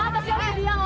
selamat ya berdiam ya om